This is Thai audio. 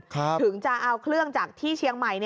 ถึงจะเอาเครื่องจากที่เชียงใหม่